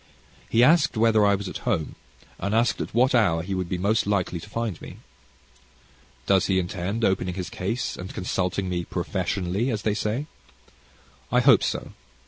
He asked whether I was at home, and asked at what hour he would be most likely to find me. Does he intend opening his case, and consulting me "professionally," as they say? I hope so.